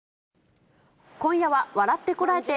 今夜は笑ってコラえて！